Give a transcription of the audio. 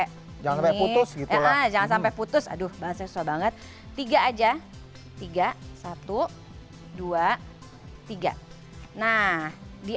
ini maksudnya jangan sampai jangan sampai putus aduh bahasa soal banget tiga aja tiga satu dua tiga nah di